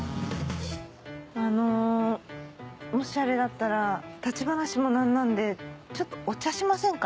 あのもしあれだったら立ち話もなんなんでちょっとお茶しませんか？